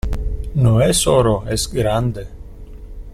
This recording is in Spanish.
no es oro. es grande .